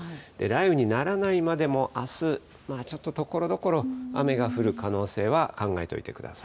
雷雨にならないまでも、あす、ちょっとところどころ、雨が降る可分かりました。